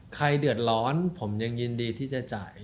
ใครเดือดร้อนผมยังยินดีที่จะจ่าย